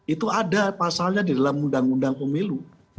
itu ada pasalnya di dalam undang undang pemilu